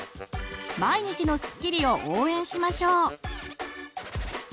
毎日のすっきりを応援しましょう！